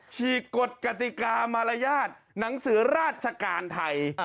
ฉีกกฎกติกามารยาทหนังสือราชการไทย